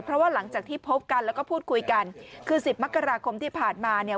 เพราะว่าหลังจากที่พบกันแล้วก็พูดคุยกันคือสิบมกราคมที่ผ่านมาเนี่ย